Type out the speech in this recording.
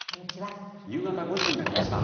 夕方５時になりました。